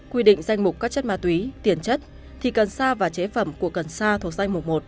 quy định danh mục các chất ma túy tiền chất thì cần sa và chế phẩm của cần sa thuộc danh mục một